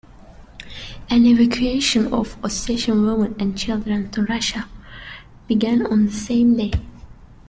An evacuation of Ossetian women and children to Russia began on the same day.